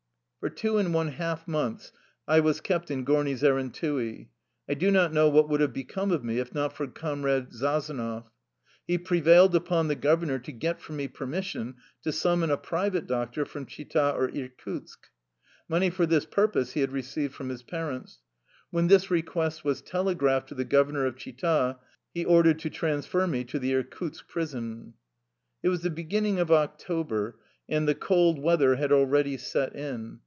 For two and one half months I was kept in Gorni Zerenttii. I do not know what would have become of me if not for Comrade Sazonov.^^ He prevailed upon the governor to get for me permission to summon a private doctor from Chita or Irkutsk. Money for this purpose he had received from his parents. When this request was telegraphed to the governor of Chita he ordered to transfer me to the Irkutsk prison. It was the beginning of October, and the cold weather had already set in.